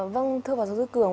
vâng thưa phó giáo sư cường